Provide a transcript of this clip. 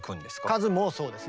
数もそうですね